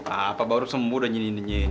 apa baru semua udah nyinyin nyinyin